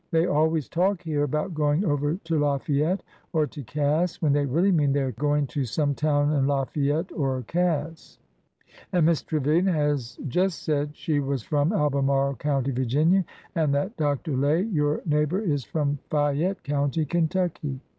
" They always talk here about going over to Lafayette or to Cass when they really mean they are going to some town in Lafayette or Cass." " And Miss Trevilian has just said she was from Albe marle County, Virginia, and that Dr. Lay, your neigh bor, is from Fayette County, Kentucky."